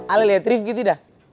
ale lihat rifki tidak